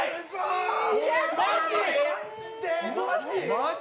マジ？